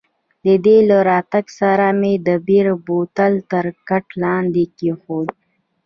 د دې له راتګ سره مې د بیر بوتل تر کټ لاندې کښېښود.